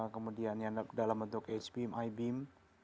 kemudian yang dalam bentuk h beam i beam